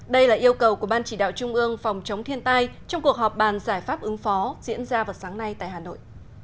đây là yêu cầu của ban chỉ đạo trung ương phòng chống thiên tai trong cuộc họp bàn giải pháp ứng phó diễn ra vào sáng nay tại hà nội